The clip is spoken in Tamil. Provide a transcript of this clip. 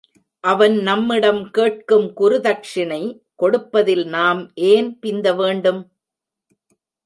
அவன் நம்மிடம் கேட்கும் குருதக்ஷிணை கொடுப்பதில் நாம் ஏன் பிந்த வேண்டும்?